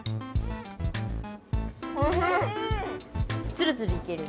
つるつるいける。